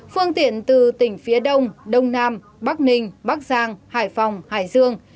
phương tiện từ tỉnh phía đông đông nam bắc ninh bắc giang hải phòng hải dương